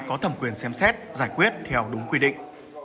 có thẩm quyền xem xét giải quyết theo đúng quy định